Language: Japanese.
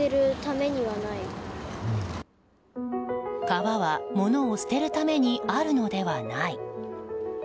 川は物を捨てるためにあるのではない。